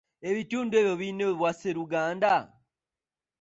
Ebitudu ebyo birina Obwasseruganda?